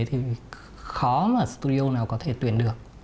thì khó mà studio nào có thể tuyển được